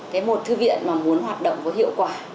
cái một thư viện mà muốn hoạt động có hiệu quả